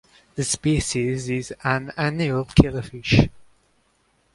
The species is an annual killifish.